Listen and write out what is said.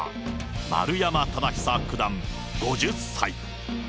丸山忠久九段５０歳。